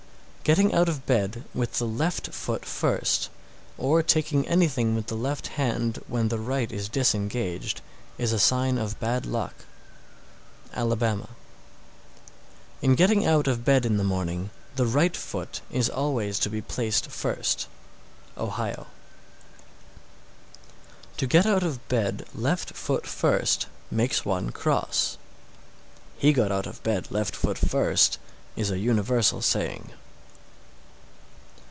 685. Getting out of bed with the left foot first, or taking anything with the left hand when the right is disengaged, is a sign of bad luck. Alabama. 686. In getting out of bed in the morning, the right foot is always to be placed first. Ohio. 687. To get out of bed left foot first makes one cross. "He got out of bed left foot first," is a universal saying.